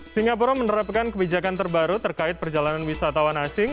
singapura menerapkan kebijakan terbaru terkait perjalanan wisatawan asing